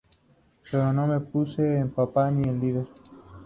Pero no me puse en papá ni en líder.